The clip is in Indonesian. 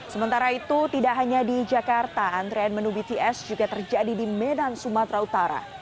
sementara itu tidak hanya di jakarta antrean menu bts juga terjadi di medan sumatera utara